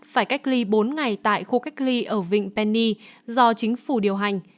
phải cách ly bốn ngày tại khu cách ly ở vịnh penny do chính phủ điều hành